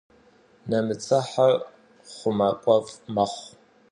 Нэмыцэхьэр хъумакӏуэфӏ мэхъу.